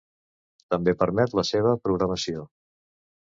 També permet la seva programació.